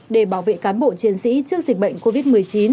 để bảo vệ cán bộ chiến sĩ trước dịch bệnh covid một mươi chín